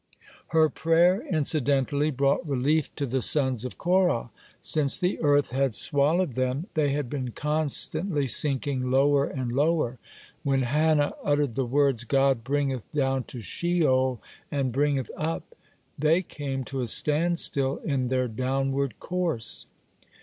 (20) Her prayer incidentally brought relief to the Sons of Korah. Since the earth had swallowed them, they had been constantly sinking lower and lower. When Hannah uttered the words, "God bringeth down to Sheol, and bringeth up," (21) they came to a standstill in their downward course.